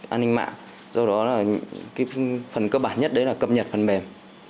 an ninh mạng do đó là phần cơ bản nhất đấy là cập nhật phần mềm